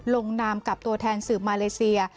ลงนามกับตัวแทนสืบมาเลเซีย